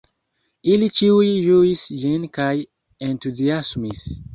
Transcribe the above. Ili ĉiuj ĝuis ĝin kaj entuziasmis.